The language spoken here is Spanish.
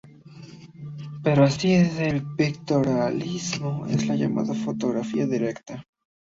Pasó así del pictorialismo a la llamada fotografía directa.